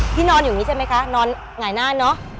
พี่นอนอยู่นี่ใช่ไหมคะนอนหงายหน้าเนอะ